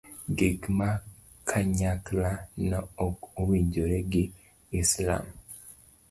gik ma kanyakla no ok owinjre gi islam